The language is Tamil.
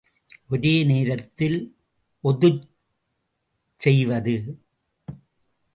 ஒரே நேரத்தில் ஒதுச் செய்வது.